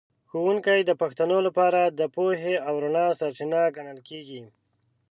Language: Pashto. ښوونکی د پښتنو لپاره د پوهې او رڼا سرچینه ګڼل کېږي.